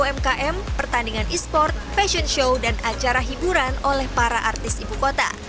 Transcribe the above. kami juga menjelaskan pertandingan esport fashion show dan acara hiburan oleh para artis ibukota